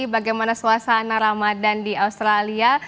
bagaimana suasana ramadan di australia